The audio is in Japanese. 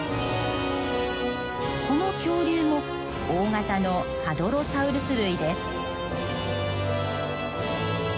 この恐竜も大型のハドロサウルス類です。